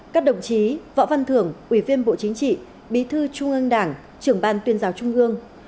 các đồng chí võ văn thưởng ủy viên bộ chính trị bí thư trung ương đảng trưởng ban tuyên giáo trung ương